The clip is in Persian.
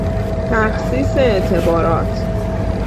تخصیص اعتبارات